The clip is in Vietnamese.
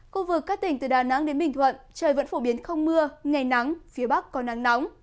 khu vực các tỉnh từ đà nẵng đến bình thuận trời vẫn phổ biến không mưa ngày nắng phía bắc có nắng nóng